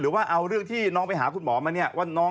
หรือว่าเอาเรื่องที่น้องไปหาคุณหมอมาเนี่ย